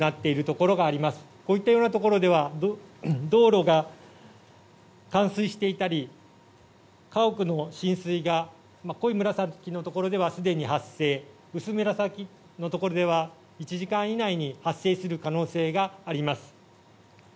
こういったようなところでは道路が冠水していたり家屋の浸水が濃い紫のところではすでに発生薄紫のところでは１時間以内に発生する可能性があります。